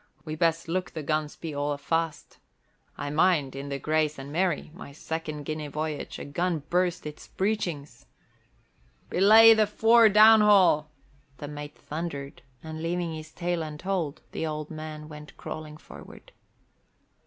"We best look the guns be all fast. I mind, in the Grace and Mary, my second Guinea voyage, a gun burst its breechings " "Belay the fore down haul!" the mate thundered, and leaving his tale untold, the old man went crawling forward.